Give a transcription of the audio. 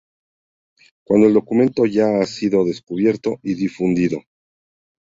cuando el documento ya ha sido descubierto y difundido